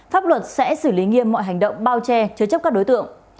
pháp luật sẽ xử lý nghiêm mọi hành động bao che chứa chấp các đối tượng